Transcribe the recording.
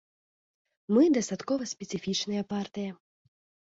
Мы дастаткова спецыфічная партыя.